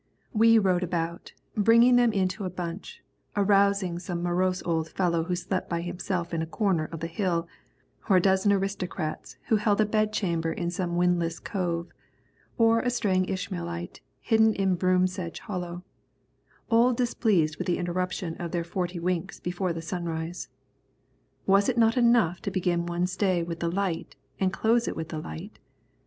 We rode about, bringing them into a bunch, arousing some morose old fellow who slept by himself in a corner of the hill, or a dozen aristocrats who held a bedchamber in some windless cove, or a straying Ishmaelite hidden in a broom sedge hollow, all displeased with the interruption of their forty winks before the sunrise. Was it not enough to begin one's day with the light and close it with the light?